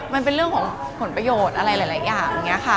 มันเป็นเรื่องของผลประโยชน์อะไรหลายอย่างนี้ค่ะ